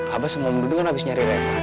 abah sama muda muduan habis nyari raya farhan